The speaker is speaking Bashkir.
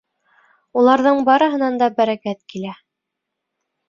Уларҙың барыһынан да бәрәкәт килә.